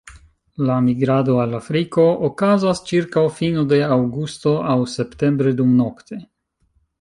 La migrado al Afriko okazas ĉirkaŭ fino de aŭgusto aŭ septembre, dumnokte.